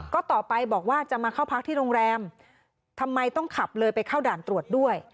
ก็ต่อไปบอกว่าจะมาเข้าพักที่โรงแรมทำไมต้องขับเลยไปเข้าด่านตรวจด้วย